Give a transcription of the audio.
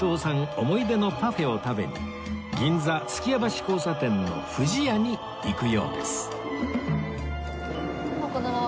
思い出のパフェを食べに銀座数寄屋橋交差点の不二家に行くようです